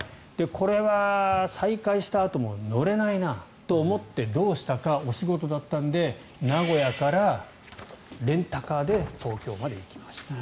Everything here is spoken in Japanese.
これは再開したあとも乗れないなと思ってどうしたかお仕事だったので名古屋からレンタカーで東京まで行きました。